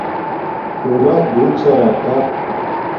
شوناک بوت چھا راکا